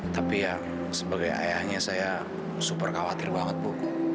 tapi ya sebagai ayahnya saya super khawatir banget bu